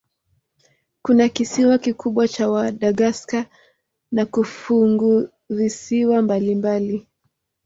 Kuna kisiwa kikubwa cha Madagaska na funguvisiwa mbalimbali.